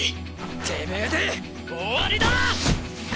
てめえで終わりだ！